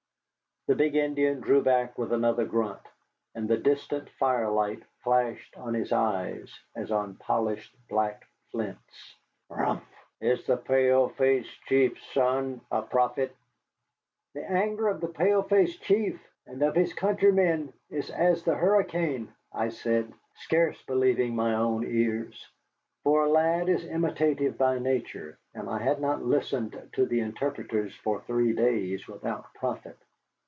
The big Indian drew back with another grunt, and the distant firelight flashed on his eyes as on polished black flints. "Umrrhh! Is the Pale Face Chief's son a prophet?" "The anger of the Pale Face Chief and of his countrymen is as the hurricane," I said, scarce believing my own ears. For a lad is imitative by nature, and I had not listened to the interpreters for three days without profit.